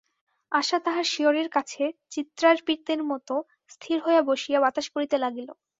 আশা তাঁহার শিয়রের কাছে চিত্রার্পিতের মতো স্থির হইয়া বসিয়া বাতাস করিতে লাগিল।